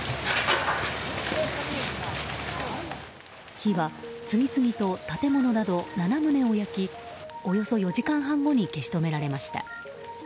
火は次々と建物など７棟を焼きおよそ４時間半後に消し止められました。